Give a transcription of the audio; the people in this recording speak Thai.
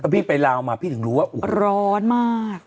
พี่ไปลาวมาพี่ถึงรู้ว่าร้อนมาก